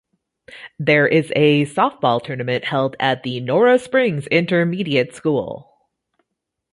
There is a Softball Tournament held at the Nora Springs Intermediate School.